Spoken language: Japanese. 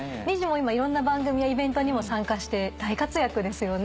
今いろんな番組やイベントにも参加して大活躍ですよね。